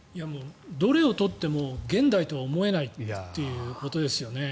どれを取っても現代とは思えないということですね。